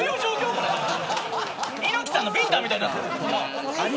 これ、猪木さんのビンタみたいになってる。